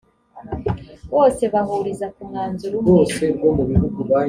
bose bahuriza ku mwanzuro umwe